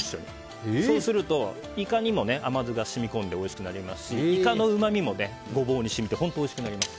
そうすると、イカにも甘酢が染み込んでおいしくなりますしイカのうまみもゴボウに染みて本当においしくなります。